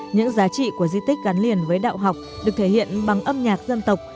những giá trị của di tích gắn liền với đạo học được thể hiện bằng âm nhạc dân tộc